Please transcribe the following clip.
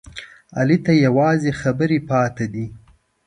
علي ته یوازې خبرې پاتې دي.